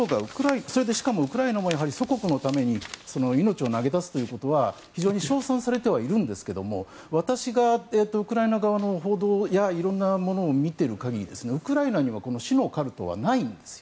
しかもウクライナも祖国のために命を投げ出すということは非常に称賛されてはいるんですが私がウクライナ側の報道や色んなものを見ている限りウクライナには死のカルトはないんですよ。